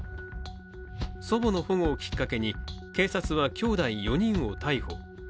祖母の保護をきっかけに警察はきょうだい４人を逮捕。